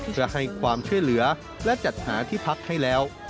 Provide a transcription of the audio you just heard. เพื่อให้ความช่วยเหลือและจัดหาที่พักให้แล้ว